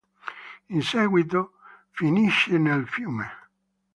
Inseguito, finisce nel fiume.